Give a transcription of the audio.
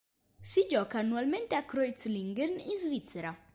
Si gioca annualmente a Kreuzlingen in Svizzera.